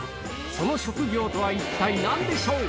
その職業とは一体何でしょう？